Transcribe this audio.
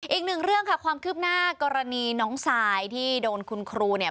อีกหนึ่งเรื่องค่ะความคืบหน้ากรณีน้องซายที่โดนคุณครูเนี่ย